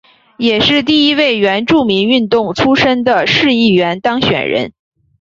也是第一位原住民运动出身的市议员当选人。